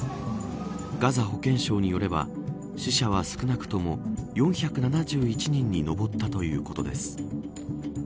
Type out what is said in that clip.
ガザ保健省によれば死者は少なくとも４７１人に上ったということです。